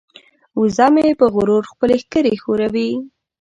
وزه مې په غرور خپلې ښکرې ښوروي.